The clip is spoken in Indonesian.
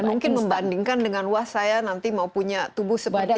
dan mungkin membandingkan dengan wah saya nanti mau punya tubuh seperti itu